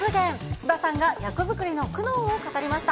菅田さんが役作りの苦悩を語りました。